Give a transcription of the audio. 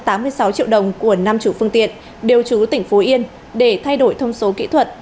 triệu đồng của năm chủ phương tiện điều trú tỉnh phố yên để thay đổi thông số kỹ thuật